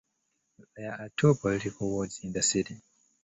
There are two political wards in the city.